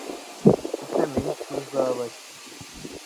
Kutamenya icyo uzaba cyo